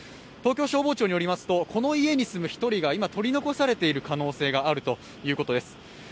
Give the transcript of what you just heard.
東京消防庁によりますとこの家に住む１人が今、取り残されている可能性があるということです。